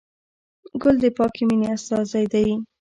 ګل د پاکې مینې استازی دی.